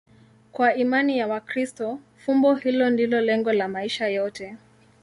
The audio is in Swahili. Kwa imani ya Wakristo, fumbo hilo ndilo lengo la maisha yote.